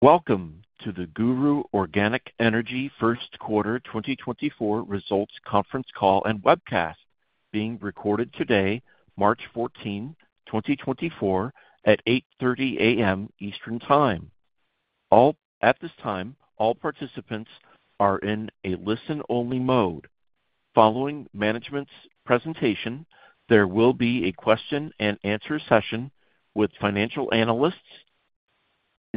Welcome to the GURU Organic Energy first quarter 2024 results conference call and webcast, being recorded today, March 14, 2024, at 8:30 AM Eastern Time. At this time, all participants are in a listen-only mode. Following management's presentation, there will be a question-and-answer session with financial analysts.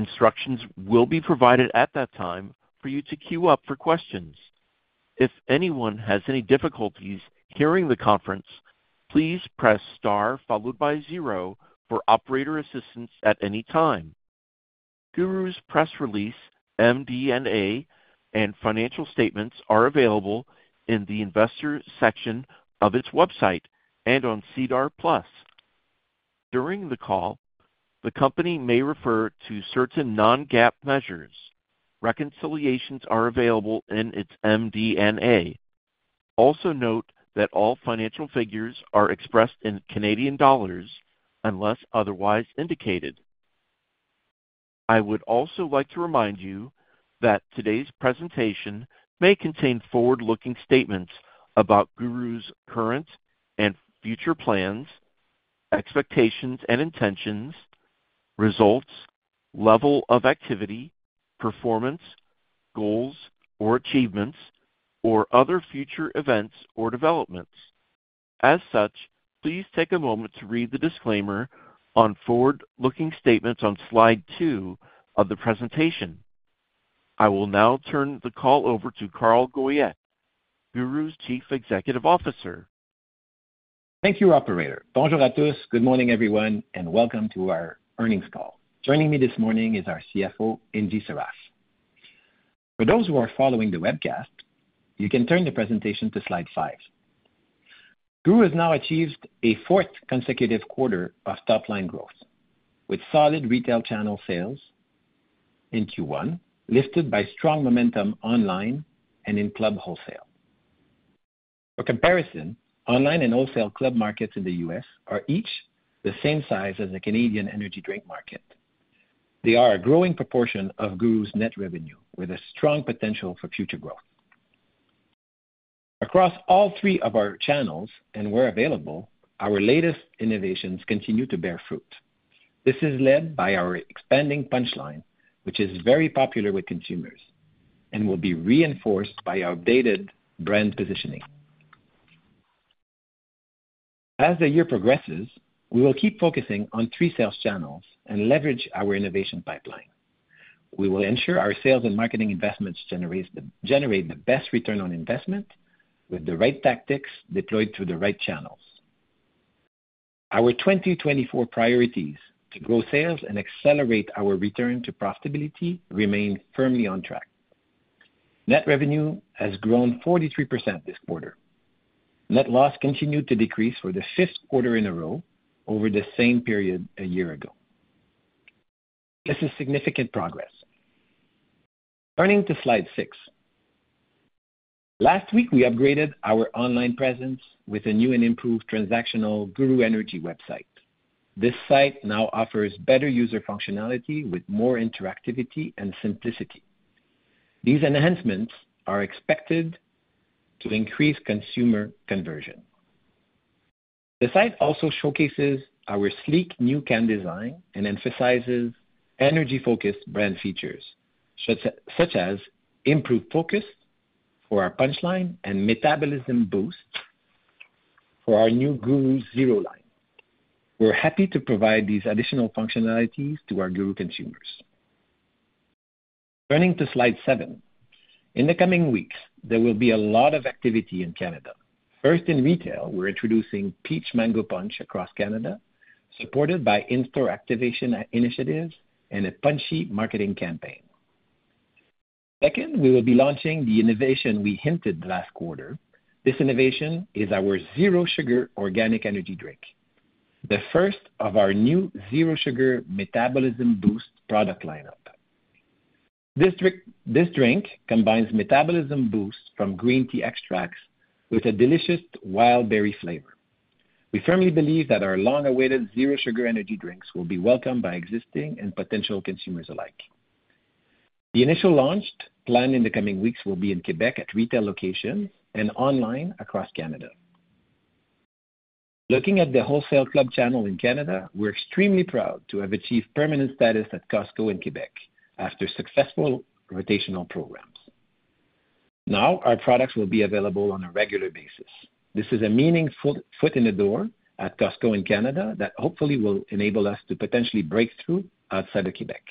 Instructions will be provided at that time for you to queue up for questions. If anyone has any difficulties hearing the conference, please press star followed by zero for operator assistance at any time. GURU's press release, MD&A, and financial statements are available in the investor section of its website and on SEDAR+. During the call, the company may refer to certain non-GAAP measures. Reconciliations are available in its MD&A. Also note that all financial figures are expressed in Canadian dollars unless otherwise indicated. I would also like to remind you that today's presentation may contain forward-looking statements about GURU's current and future plans, expectations and intentions, results, level of activity, performance, goals or achievements, or other future events or developments. As such, please take a moment to read the disclaimer on forward-looking statements on slide two of the presentation. I will now turn the call over to Carl Goyette, GURU's Chief Executive Officer. Thank you, operator. Bonjour à tous. Good morning, everyone, and welcome to our earnings call. Joining me this morning is our CFO, Ingy Sarraf. For those who are following the webcast, you can turn the presentation to slide five. GURU has now achieved a fourth consecutive quarter of top-line growth, with solid retail channel sales in Q1 lifted by strong momentum online and in club wholesale. For comparison, online and wholesale club markets in the U.S. are each the same size as the Canadian energy drink market. They are a growing proportion of GURU's net revenue, with a strong potential for future growth. Across all three of our channels and where available, our latest innovations continue to bear fruit. This is led by our expanding Punch line, which is very popular with consumers and will be reinforced by our updated brand positioning. As the year progresses, we will keep focusing on three sales channels and leverage our innovation pipeline. We will ensure our sales and marketing investments generate the best return on investment with the right tactics deployed through the right channels. Our 2024 priorities to grow sales and accelerate our return to profitability remain firmly on track. Net revenue has grown 43% this quarter. Net loss continued to decrease for the fifth quarter in a row over the same period a year ago. This is significant progress. Turning to slide six. Last week, we upgraded our online presence with a new and improved transactional GURU Energy website. This site now offers better user functionality with more interactivity and simplicity. These enhancements are expected to increase consumer conversion. The site also showcases our sleek new can design and emphasizes energy-focused brand features, such as improved focus for our punchline and metabolism boost for our new GURU Zero line. We're happy to provide these additional functionalities to our GURU consumers. Turning to slide seven. In the coming weeks, there will be a lot of activity in Canada. First, in retail, we're introducing Peach Mango Punch across Canada, supported by In-Store Activation Initiative and a punchy marketing campaign. Second, we will be launching the innovation we hinted last quarter. This innovation is our Zero Sugar Organic Energy Drink, the first of our new Zero Sugar Metabolism Boost product lineup. This drink combines metabolism boost from green tea extracts with a delicious wild berry flavor. We firmly believe that our long-awaited Zero Sugar Energy Drinks will be welcomed by existing and potential consumers alike. The initial launch, planned in the coming weeks, will be in Quebec at retail locations and online across Canada. Looking at the wholesale club channel in Canada, we're extremely proud to have achieved permanent status at Costco in Quebec after successful rotational programs. Now, our products will be available on a regular basis. This is a meaningful foot in the door at Costco in Canada that hopefully will enable us to potentially break through outside of Quebec.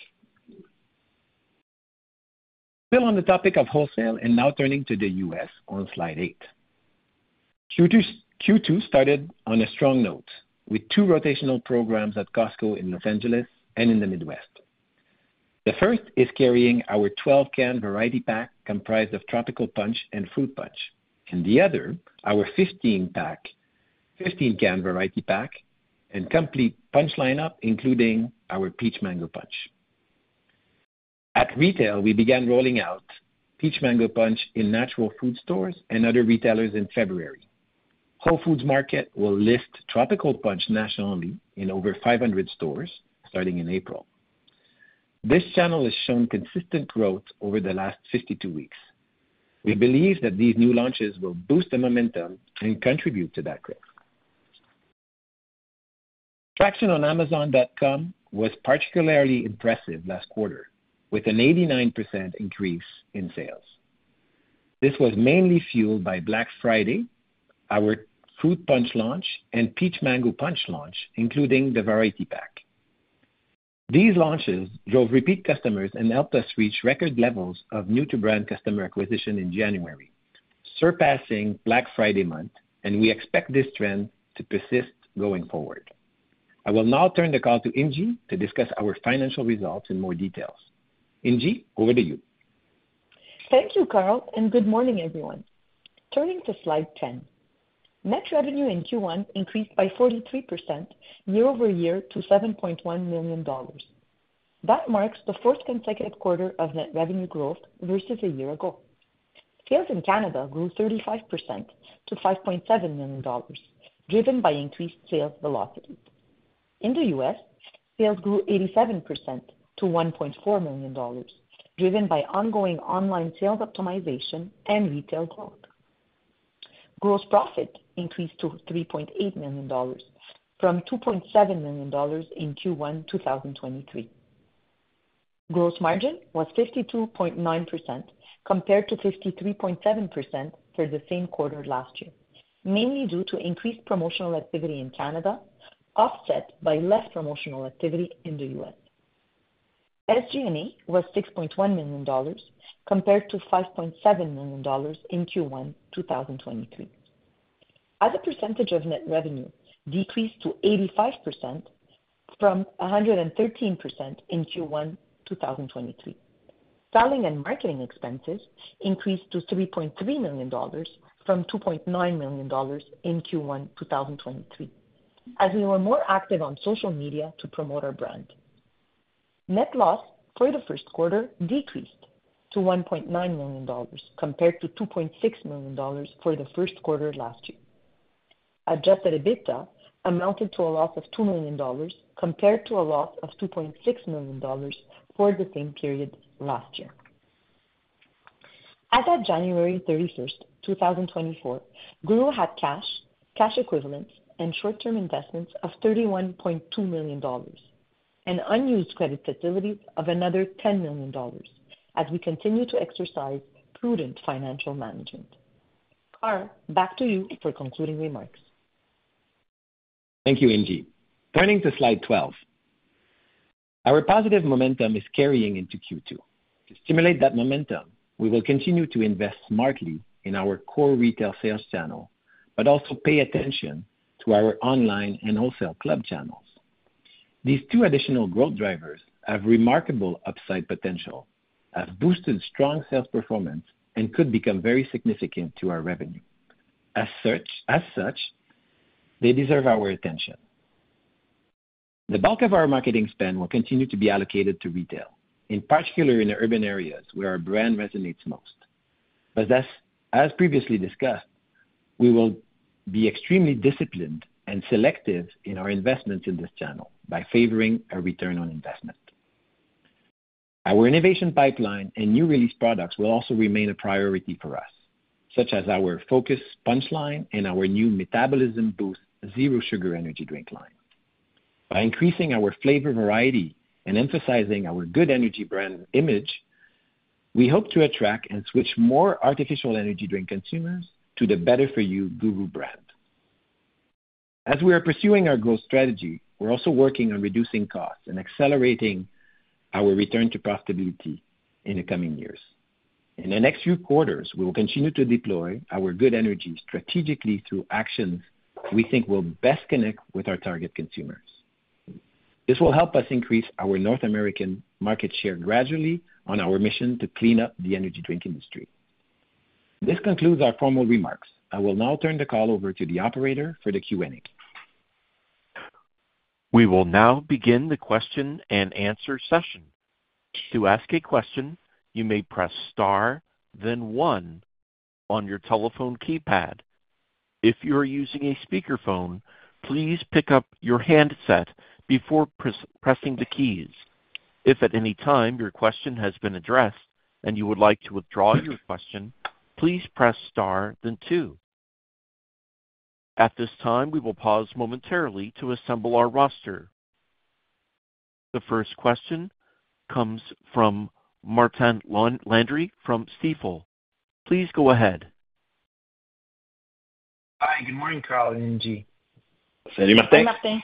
Still on the topic of wholesale and now turning to the U.S. on slide 8, Q2 started on a strong note with two rotational programs at Costco in Los Angeles and in the Midwest. The first is carrying our 12-can variety pack comprised of Tropical Punch and Fruit Punch, and the other, our 15-can variety pack and complete punch lineup, including our Peach Mango Punch. At retail, we began rolling out Peach Mango Punch in natural food stores and other retailers in February. Whole Foods Market will list Tropical Punch nationally in over 500 stores starting in April. This channel has shown consistent growth over the last 52 weeks. We believe that these new launches will boost the momentum and contribute to that growth. Traction on Amazon.com was particularly impressive last quarter, with an 89% increase in sales. This was mainly fueled by Black Friday, our Fruit Punch launch, and Peach Mango Punch launch, including the variety pack. These launches drove repeat customers and helped us reach record levels of new-to-brand customer acquisition in January, surpassing Black Friday month, and we expect this trend to persist going forward. I will now turn the call to Ingy to discuss our financial results in more details. Ingy, over to you. Thank you, Carl, and good morning, everyone. Turning to slide 10. Net revenue in Q1 increased by 43% year over year to $7.1 million. That marks the fourth consecutive quarter of net revenue growth versus a year ago. Sales in Canada grew 35% to $5.7 million, driven by increased sales velocity. In the U.S., sales grew 87% to $1.4 million, driven by ongoing online sales optimization and retail growth. Gross profit increased to $3.8 million from $2.7 million in Q1 2023. Gross margin was 52.9% compared to 53.7% for the same quarter last year, mainly due to increased promotional activity in Canada offset by less promotional activity in the US. SG&A was $6.1 million compared to $5.7 million in Q1 2023. As a percentage of net revenue, SG&A decreased to 85% from 113% in Q1 2023. Selling and marketing expenses increased to $3.3 million from $2.9 million in Q1 2023 as we were more active on social media to promote our brand. Net loss for the first quarter decreased to $1.9 million compared to $2.6 million for the first quarter last year. Adjusted EBITDA amounted to a loss of $2.0 million compared to a loss of $2.6 million for the same period last year. As of January 31, 2024, GURU had cash, cash equivalents, and short-term investments of $31.2 million and unused credit facilities of another $10.0 million as we continue to exercise prudent financial management. Carl, back to you for concluding remarks. Thank you, Ingy. Turning to slide 12. Our positive momentum is carrying into Q2. To stimulate that momentum, we will continue to invest smartly in our core retail sales channel but also pay attention to our online and wholesale club channels. These two additional growth drivers have remarkable upside potential, have boosted strong sales performance, and could become very significant to our revenue. As such, they deserve our attention. The bulk of our marketing spend will continue to be allocated to retail, in particular in Urban areas where our brand resonates most. As previously discussed, we will be extremely disciplined and selective in our investments in this channel by favoring a return on investment. Our innovation pipeline and new release products will also remain a priority for us, such as our focus punchline and our new metabolism boost Zero Sugar Energy Drink line. By increasing our flavor variety and emphasizing our Good Energy brand image, we hope to attract and switch more artificial energy drink consumers to the better-for-you GURU brand. As we are pursuing our growth strategy, we're also working on reducing costs and accelerating our return to profitability in the coming years. In the next few quarters, we will continue to deploy our Good Energy strategically through actions we think will best connect with our target consumers. This will help us increase our North American market share gradually on our mission to clean up the energy drink industry. This concludes our formal remarks. I will now turn the call over to the operator for the Q&A. We will now begin the question-and-answer session. To ask a question, you may press star, then 1 on your telephone keypad. If you are using a speakerphone, please pick up your handset before pressing the keys. If at any time your question has been addressed and you would like to withdraw your question, please press star, then two. At this time, we will pause momentarily to assemble our roster. The first question comes from Martin Landry from Stifel. Please go ahead. Hi. Good morning, Carl and Ingy. Salut Martin. Salut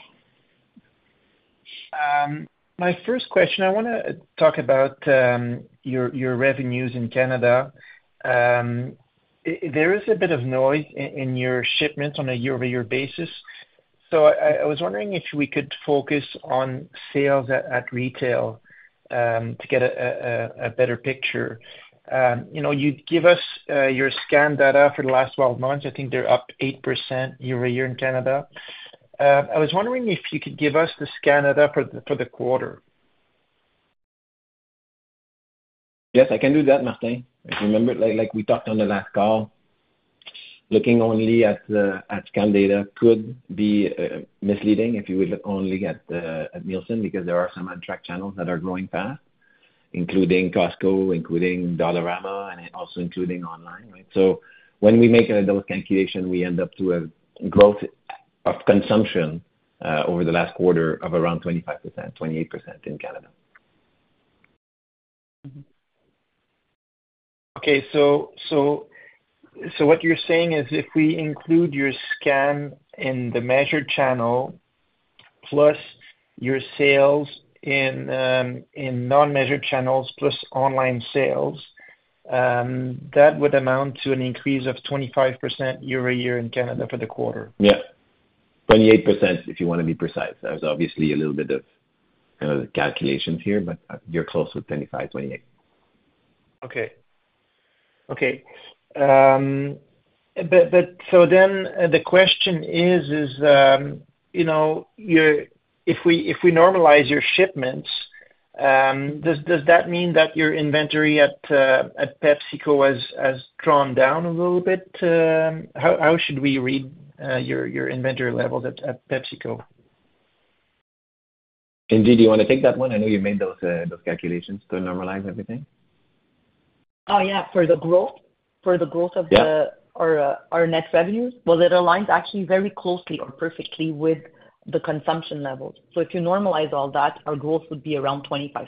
Martin. My first question, I want to talk about your revenues in Canada. There is a bit of noise in your shipments on a year-over-year basis, so I was wondering if we could focus on sales at retail to get a better picture. You give us your scan data for the last 12 months. I think they're up 8% year over year in Canada. I was wondering if you could give us the scan data for the quarter. Yes, I can do that, Martin. Remember, like we talked on the last call, looking only at scan data could be misleading if you would look only at Nielsen because there are some untracked channels that are growing fast, including Costco, including Dollarama, and also including online, right? So when we make those calculations, we end up to have growth of consumption over the last quarter of around 25%, 28% in Canada. Okay. So what you're saying is if we include your scan in the measured channel plus your sales in non-measured channels plus online sales, that would amount to an increase of 25% year over year in Canada for the quarter. Yeah. 28% if you want to be precise. That was obviously a little bit of calculations here, but you're close with 25%, 28%. So then the question is, if we normalize your shipments, does that mean that your inventory at PepsiCo has drawn down a little bit? How should we read your inventory levels at PepsiCo? Ingy, do you want to take that one? I know you made those calculations to normalize everything. Oh, yeah. For the growth of our net revenues, well, it aligns actually very closely or perfectly with the consumption levels. So if you normalize all that, our growth would be around 25%.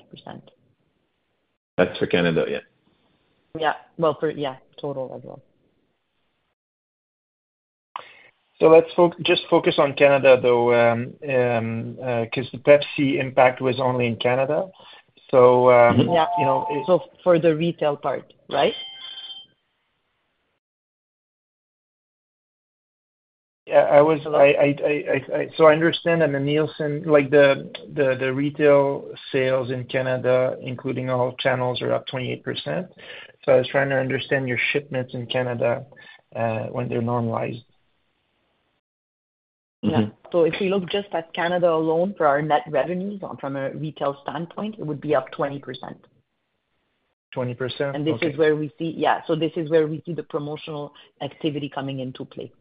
That's for Canada, yeah. Yeah. Well, yeah, total as well. Let's just focus on Canada, though, because the Pepsi impact was only in Canada. Yeah. For the retail part, right? I understand that the Nielsen, the retail sales in Canada, including all channels, are up 28%. I was trying to understand your shipments in Canada when they're normalized. If we look just at Canada alone for our net revenues from a retail standpoint, it would be up 20%. 20%. Okay. This is where we see the promotional activity coming into play.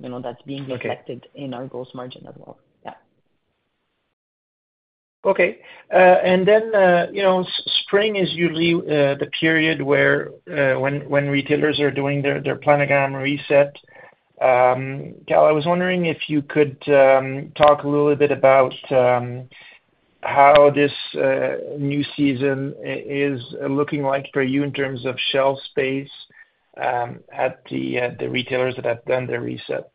That's being reflected in our gross margin as well. Okay. And then spring is usually the period when retailers are doing their planogram reset. Carl, I was wondering if you could talk a little bit about how this new season is looking like for you in terms of shelf space at the retailers that have done their reset.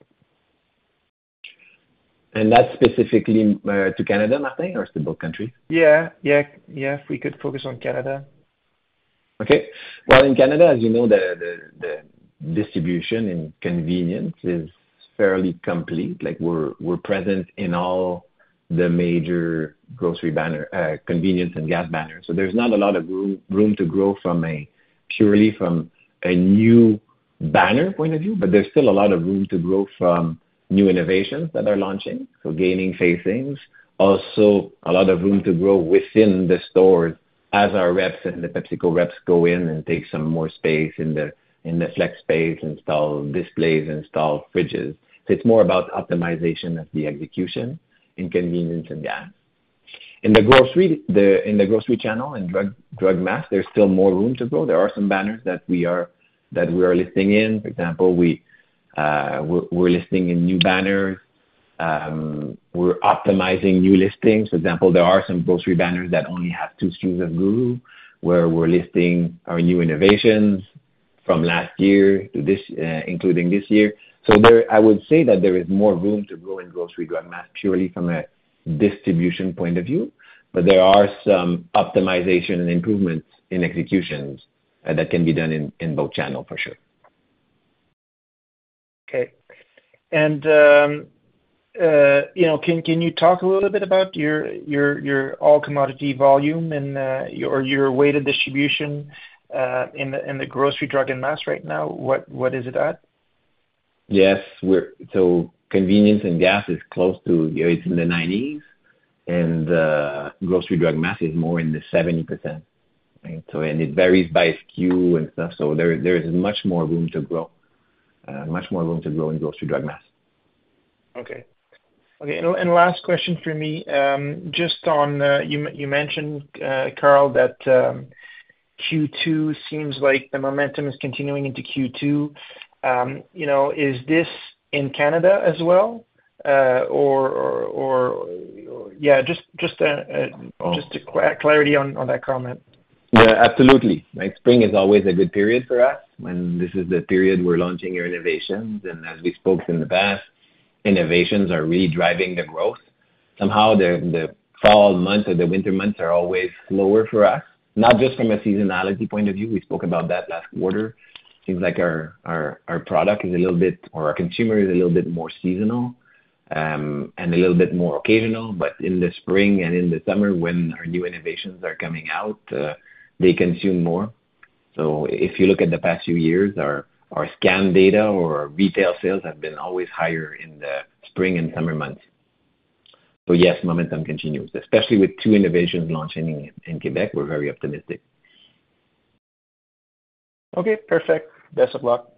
And that's specifically to Canada, Martin, or is it both countries? Yeah. Yeah. Yeah. If we could focus on Canada. Okay. Well, in Canada, as you know, the distribution and convenience is fairly complete. We're present in all the major grocery convenience and gas banners. So there's not a lot of room to grow purely from a new banner point of view, but there's still a lot of room to grow from new innovations that are launching, so gaining facings. Also, a lot of room to grow within the stores as our reps and the PepsiCo reps go in and take some more space in the flex space, install displays, install fridges. So it's more about optimization of the execution in convenience and gas. In the grocery channel and drug mass, there's still more room to grow. There are some banners that we are listing in. For example, we're listing in new banners. We're optimizing new listings. For example, there are some grocery banners that only have two SKUs of Guru where we're listing our new innovations from last year to including this year. So I would say that there is more room to grow in grocery drug mass purely from a distribution point of view, but there are some optimization and improvements in executions that can be done in both channels, for sure. Okay. And can you talk a little bit about your all-commodity volume or your weighted distribution in the grocery drug and mass right now? What is it at? Convenience and gas is close to it's in the 90s, and grocery drug mass is more in the 70%, right? It varies by SKU and stuff. There is much more room to grow, much more room to grow in grocery drug mass. Okay. And last question for me, just on you mentioned, Carl, that Q2 seems like the momentum is continuing into Q2. Is this in Canada as well? Or yeah, just clarity on that comment. Absolutely. Spring is always a good period for us when this is the period we're launching our innovations. And as we spoke in the past, innovations are really driving the growth. Somehow, the fall months or the winter months are always slower for us, not just from a seasonality point of view. We spoke about that last quarter. Seems like our product is a little bit or our consumer is a little bit more seasonal and a little bit more occasional. But in the spring and in the summer, when our new innovations are coming out, they consume more. So if you look at the past few years, our scan data or retail sales have been always higher in the spring and summer months. So yes, momentum continues, especially with two innovations launching in Quebec. We're very optimistic. Okay. Perfect. Best of luck.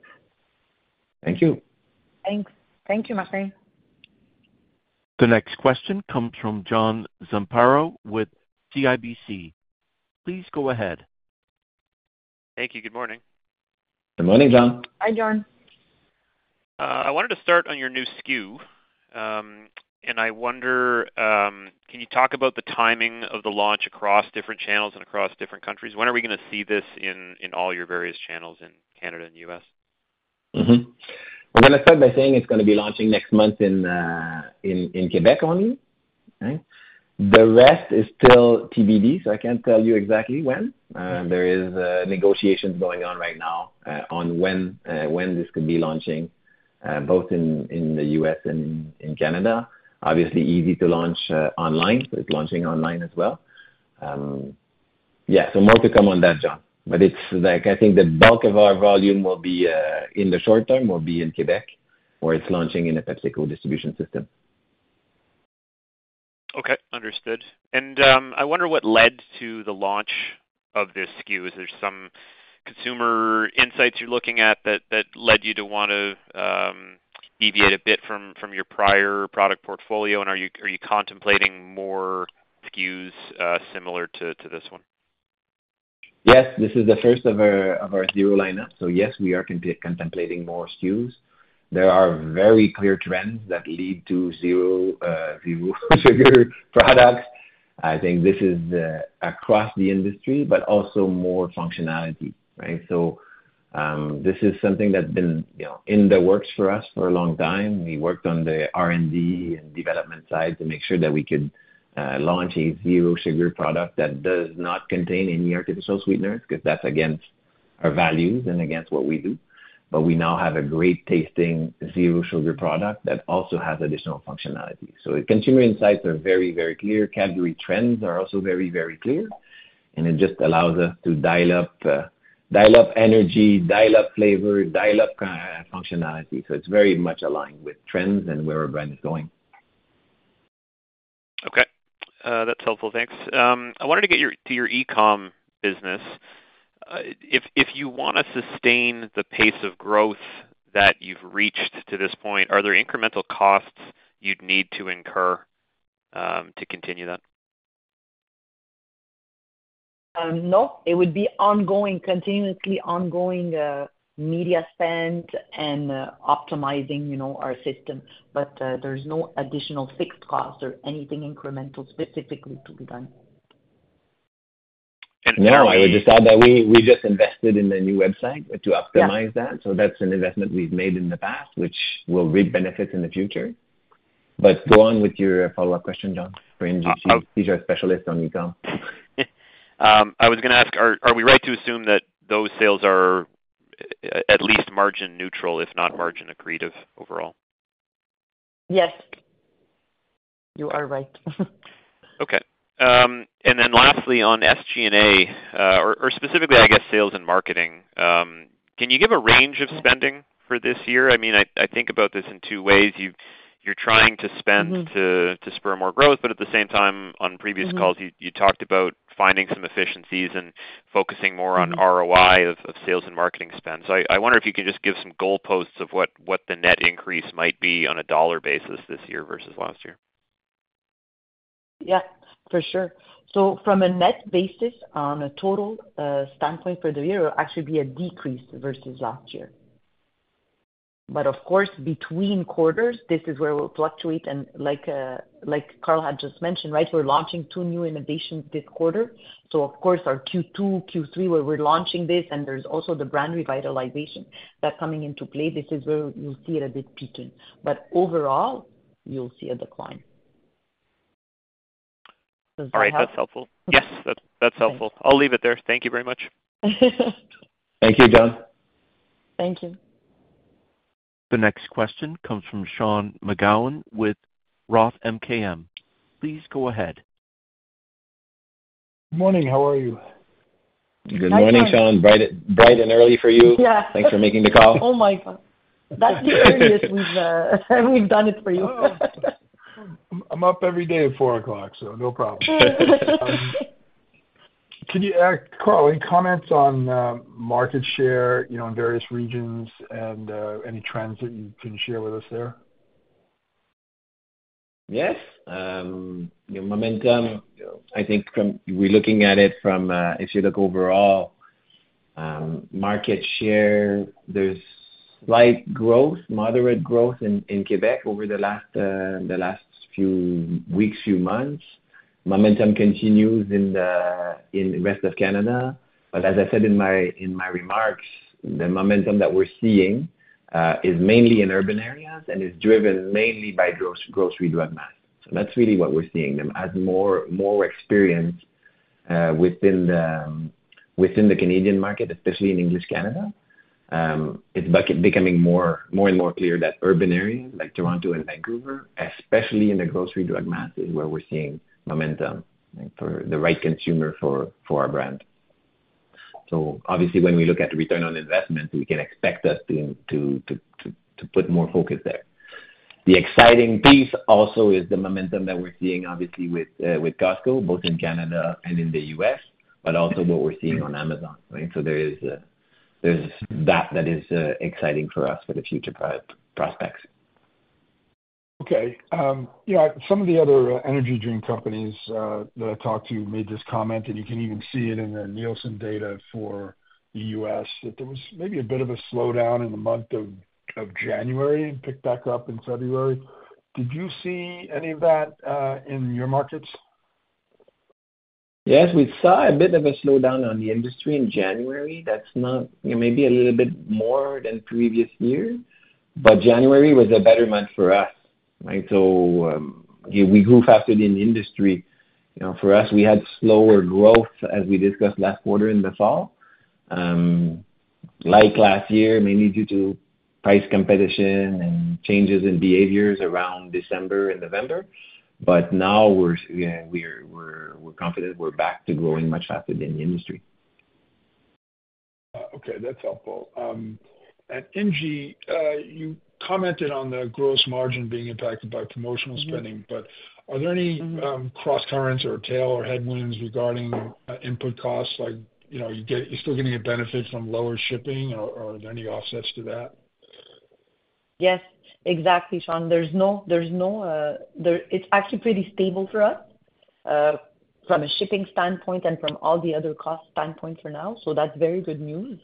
Thank you. Thanks. Thank you, Martin. The next question comes from John Zamparo with CIBC. Please go ahead. Thank you. Good morning. Good morning, John. Hi, John. I wanted to start on your new SKU, and I wonder, can you talk about the timing of the launch across different channels and across different countries? When are we going to see this in all your various channels in Canada and U.S.? We're going to start by saying it's going to be launching next month in Quebec only, right? The rest is still TBD, so I can't tell you exactly when. There are negotiations going on right now on when this could be launching both in the U.S. and in Canada. Obviously, easy to launch online, so it's launching online as well. So more to come on that, John. But I think the bulk of our volume will be in the short term, will be in Quebec where it's launching in a PepsiCo distribution system. Okay. Understood. I wonder what led to the launch of this SKU. Is there some consumer insights you're looking at that led you to want to deviate a bit from your prior product portfolio? Are you contemplating more SKUs similar to this one? Yes. This is the first of our zero lineup. So yes, we are contemplating more SKUs. There are very clear trends that lead to zero sugar products. I think this is across the industry but also more functionality, right? This is something that's been in the works for us for a long time. We worked on the R&D and development side to make sure that we could launch a zero sugar product that does not contain any artificial sweeteners because that's against our values and against what we do. But we now have a great tasting zero sugar product that also has additional functionality. Consumer insights are very, very clear. Category trends are also very, very clear. And it just allows us to dial up energy, dial up flavor, dial up functionality. It's very much aligned with trends and where our brand is going. Okay. That's helpful. Thanks. I wanted to get to your e-commerce business. If you want to sustain the pace of growth that you've reached to this point, are there incremental costs you'd need to incur to continue that? No. It would be continuously ongoing media spend and optimizing our system. But there's no additional fixed costs or anything incremental specifically to be done. No. I would just add that we just invested in the new website to optimize that. So that's an investment we've made in the past, which will reap benefits in the future. But go on with your follow-up question, John, for NGC. He's our specialist on e-commerce. I was going to ask, are we right to assume that those sales are at least margin neutral, if not margin accretive overall? Yes. You are right. Okay. And then lastly, on SG&A, or specifically, I guess, sales and marketing, can you give a range of spending for this year? I mean, I think about this in two ways. You're trying to spend to spur more growth, but at the same time, on previous calls, you talked about finding some efficiencies and focusing more on ROI of sales and marketing spend. I wonder if you can just give some goalposts of what the net increase might be on a dollar basis this year versus last year. For sure. From a net basis, on a total standpoint for the year, it'll actually be a decrease versus last year. But of course, between quarters, this is where we'll fluctuate. Like Carl had just mentioned, right, we're launching two new innovations this quarter. Our Q2, Q3, where we're launching this, and there's also the brand revitalization that's coming into play, this is where you'll see it a bit peaking. But overall, you'll see a decline. Does that help? All right. That's helpful. Yes. That's helpful. I'll leave it there. Thank you very much. Thank you, John. Thank you. The next question comes from Sean McGowan with Roth MKM. Please go ahead. Good morning. How are you? Good morning, Sean. Bright and early for you? Yes. Thanks for making the call. Oh my God. That's the earliest we've done it for you. I'm up every day at four o'clock, so no problem. Can you, Carl, any comments on market share in various regions and any trends that you can share with us there? Yes. Momentum, I think we're looking at it from if you look overall, market share, there's slight growth, moderate growth in Quebec over the last few weeks, few months. Momentum continues in the rest of Canada. But as I said in my remarks, the momentum that we're seeing is mainly in urban areas and is driven mainly by grocery drug mass. So that's really what we're seeing, as more experience within the Canadian market, especially in English Canada, it's becoming more and more clear that urban areas like Toronto and Vancouver, especially in the grocery drug mass, is where we're seeing momentum for the right consumer for our brand. Obviously, when we look at return on investment, we can expect us to put more focus there. The exciting piece also is the momentum that we're seeing, obviously, with Costco, both in Canada and in the US, but also what we're seeing on Amazon, right? So there's that that is exciting for us for the future prospects. Some of the other energy drink companies that I talked to made this comment, and you can even see it in the Nielsen data for the U.S., that there was maybe a bit of a slowdown in the month of January and picked back up in February. Did you see any of that in your markets? Yes. We saw a bit of a slowdown in the industry in January. That's maybe a little bit more than previous year, but January was a better month for us, right? We outpaced the industry. For us, we had slower growth, as we discussed last quarter in the fall, like last year, mainly due to price competition and changes in behaviors around December and November. But now we're confident we're back to growing much faster than the industry. Okay. That's helpful. And Ingie, you commented on the gross margin being impacted by promotional spending, but are there any cross-currents or tailwinds or headwinds regarding input costs? You're still getting a benefit from lower shipping, or are there any offsets to that? Yes. Exactly, Sean. There's no - it's actually pretty stable for us from a shipping standpoint and from all the other cost standpoint for now. So that's very good news.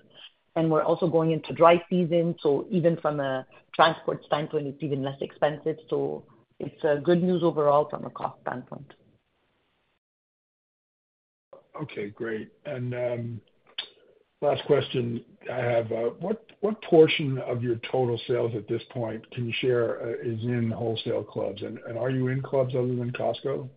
We're also going into dry season, so even from a transport standpoint, it's even less expensive. So it's good news overall from a cost standpoint. Great. And last question I have, what portion of your total sales at this point, can you share, is in wholesale clubs? And are you in clubs other than Costco?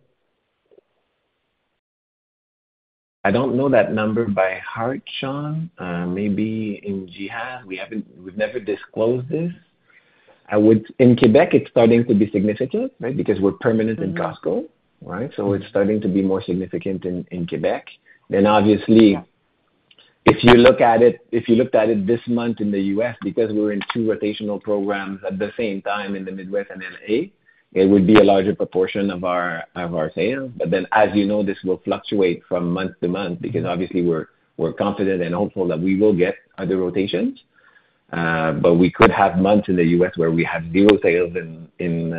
I don't know that number by heart, Sean. Maybe Ingy has. We've never disclosed this. In Quebec, it's starting to be significant, right, because we're permanent in Costco, right? It's starting to be more significant in Quebec. Obviously, if you look at it this month in the U.S., because we're in two rotational programs at the same time in the Midwest and L.A., it would be a larger proportion of our sales. But as you know, this will fluctuate from month to month because obviously, we're confident and hopeful that we will get other rotations. We could have months in the U.S. where we have zero sales in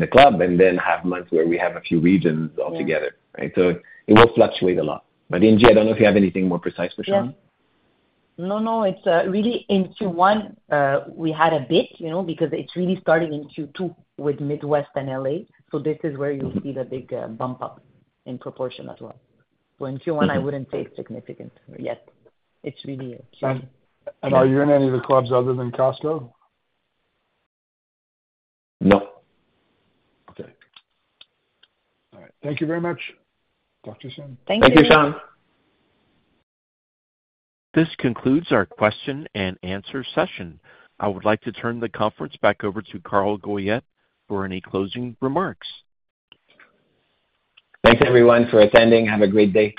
the club and then have months where we have a few regions altogether, right? It will fluctuate a lot. Ingie, I don't know if you have anything more precise for Sean. Yes. No, no. It's really in Q1, we had a bit because it's really starting in Q2 with Midwest and L.A.. So this is where you'll see the big bump-up in proportion as well. In Q1, I wouldn't say it's significant yet. It's really Q2. Are you in any of the clubs other than Costco? No. Okay. All right. Thank you very much. Talk to you soon. Thank you. Thank you, Sean. This concludes our question-and-answer session. I would like to turn the conference back over to Carl Goyette for any closing remarks. Thanks, everyone, for attending. Have a great day.